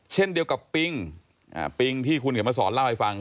เช่นเดียวกับปิงปิงที่คุณเขียนมาสอนเล่าให้ฟัง